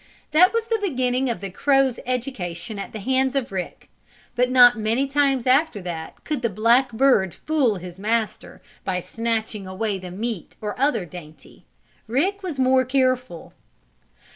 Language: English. That was the beginning of the crow's education at the hands of Rick, but not many times after that could the black bird fool his master by snatching away the meat or other dainty. Rick was more careful.